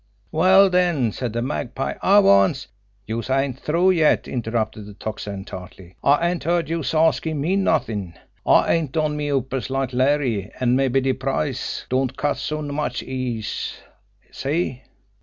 "Well, den," said the Magpie, "I wants " "Youse ain't through yet!" interrupted the Tocsin tartly. "I ain't heard youse askin' me nothin'! I ain't on me uppers like Larry, an' mabbe de price don't cut so much ice see?"